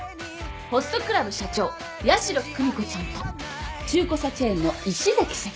ホストクラブ社長矢代久美子ちゃんと中古車チェーンの石崎社長。